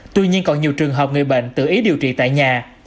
tuy nhiên còn nhiều trường hợp người bệnh tự ý điều trị tại nhà